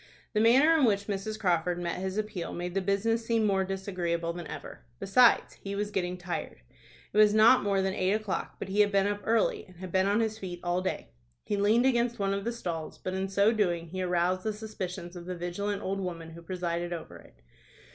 The manner in which Mrs. Crawford met his appeal made the business seem more disagreeable than ever. Besides, he was getting tired. It was not more than eight o'clock, but he had been up early, and had been on his feet all day. He leaned against one of the stalls, but in so doing he aroused the suspicions of the vigilant old woman who presided over it.